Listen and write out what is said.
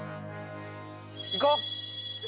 行こう！